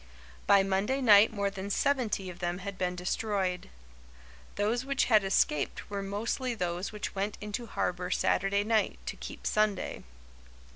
By Monday night more than seventy of them had been destroyed. Those which had escaped were mostly those which went into harbour Saturday night, to keep Sunday.